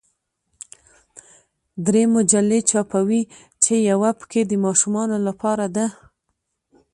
درې مجلې چاپوي چې یوه پکې د ماشومانو لپاره ده.